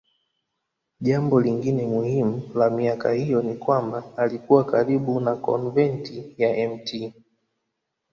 Jambo lingine muhimu la miaka hiyo ni kwamba alikuwa karibu na konventi ya Mt.